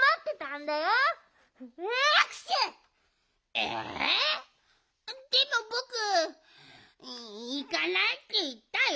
えでもぼくいかないっていったよ。